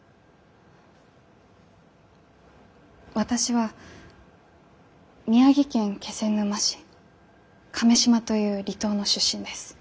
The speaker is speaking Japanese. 私は宮城県気仙沼市亀島という離島の出身です。